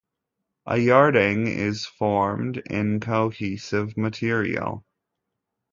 A yardang is formed in cohesive material.